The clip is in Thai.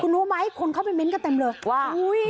รู้ไหมคนเข้าไปเม้นต์กันเต็มเลย